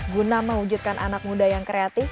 guna mewujudkan anak muda yang kreatif